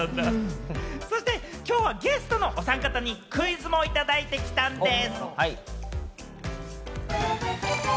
そしてきょうはゲストのおさん方にクイズもいただいてきたんです。